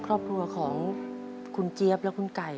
ครอบครัวของคุณเจี๊ยบและคุณไก่